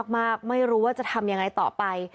ไม่รู้ว่าจะทำยังไงต่อไป